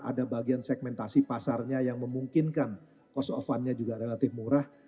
ada bagian segmentasi pasarnya yang memungkinkan cost of fundnya juga relatif murah